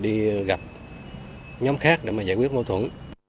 đối tượng đã gặp nhóm khác để giải quyết mâu thuẫn